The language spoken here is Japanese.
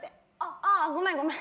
ああごめんごめん！